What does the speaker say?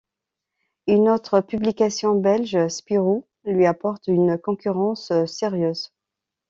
Une autre publication belge, Spirou, lui apporte une concurrence sérieuse.